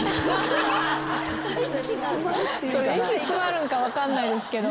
それ息詰まるんか分かんないですけど。